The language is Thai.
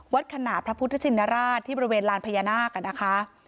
ขนาดพระพุทธชินราชที่บริเวณลานพญานาคนะคะ